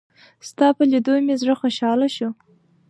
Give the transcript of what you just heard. ستا په لېدو مې زړه خوشحاله شو.